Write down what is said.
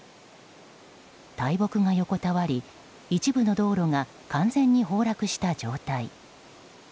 大木が横たわり、一部の道路が完全に崩落した状態。